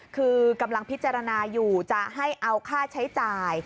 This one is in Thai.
คือกำลังพิจารณาอยู่จะให้เอาค่าใช้จ่าย